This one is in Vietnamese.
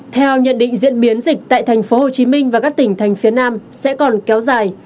theo nhận định diễn biến dịch tại thành phố hồ chí minh và các tỉnh thành phía nam sẽ còn kéo dài